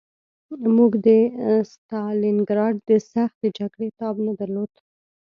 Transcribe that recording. موږ د ستالینګراډ د سختې جګړې تاب نه درلود